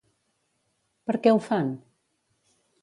Per què ho fan?